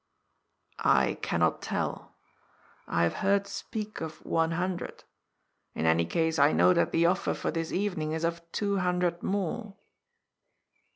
^' I cannot tell. I have heard speak of one hundred. In any case I know that the offer for this evening is of two hundred more."